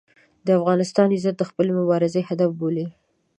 د افغانستان عزت د خپلې مبارزې هدف بولي.